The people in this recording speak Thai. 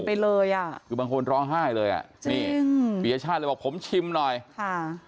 ไปเลยอ่ะคือบางคนร้องไห้เลยอ่ะนี่อืมปียชาติเลยบอกผมชิมหน่อยค่ะ